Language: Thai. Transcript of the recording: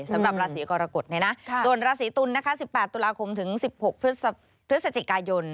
สำหรับราศีกรกฎส่วนราศีตุลนะคะ๑๘ตุลาคมถึง๑๖พฤศจิกายน